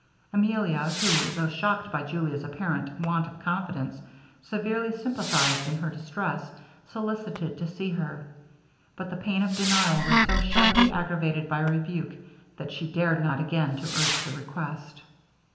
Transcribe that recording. Emilia, who, though shocked by Julia's apparent want of confidence, severely sympathized in her distress, solicited to see her; but the pain of denial was so sharply aggravated by rebuke, that she dared not again to urge the request.